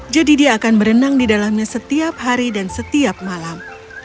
jadi dia akan berenang di dalamnya setiap hari dan setiap malam